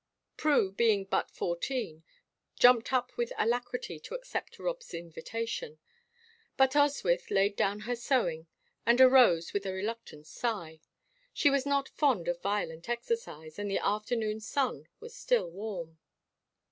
Prue, being but fourteen, jumped up with alacrity to accept Rob's invitation, but Oswyth laid down her sewing and arose with a reluctant sigh she was not fond of violent exercise, and the afternoon sun was still warm.